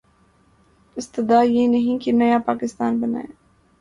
استدعا یہ نہیں کہ نیا پاکستان بنائیں۔